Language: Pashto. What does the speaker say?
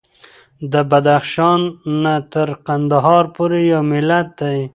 د بدخشان نه تر قندهار پورې یو ملت دی.